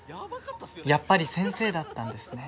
やっぱり先生だったんですね。